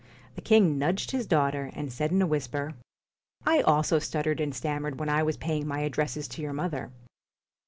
The king nudged his daughter, and said in a whisper :' I also stuttered and stammered when I was paying my addresses to your mother.'